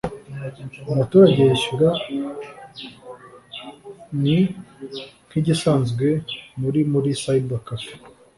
umuturage yishyura ni nk’igisanzwe muri muri cyber café